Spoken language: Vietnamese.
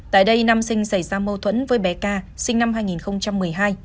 tại đây nam sinh xảy ra mâu thuẫn với bé ca sinh năm hai nghìn một mươi hai